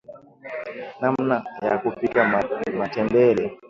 namna ya kupika matembele